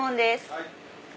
はい。